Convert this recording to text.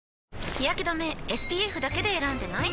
日やけ止めＳＰＦだけで選んでない？